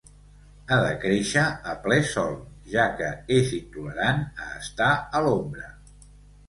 Ha de créixer a ple sol, ja que és intolerant a estar a l'ombra.